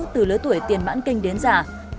từ lứa tuổi tiền mãn kinh đến già